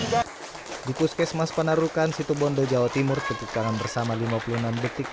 juga di puskesmas panarukan situbondo jawa timur putih tangan bersama lima puluh enam detik